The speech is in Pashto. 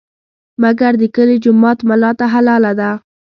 مګر د کلي جومات ملا ته حلاله ده.